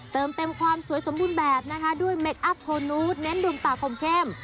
เติมเต็มความสวยสมบูรณ์แบบนะคะด้วยเมคอัพโทนูตเน้นดวงตาคมเข้ม